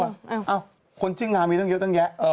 เอ้าคนชื่องามีตั้งเยอะตั้งแยะ